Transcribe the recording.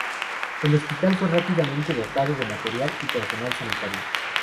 El hospital fue rápidamente dotado de material y personal sanitario.